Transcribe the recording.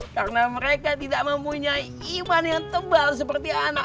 karena mereka tidak mempunyai iman yang tebal seperti ana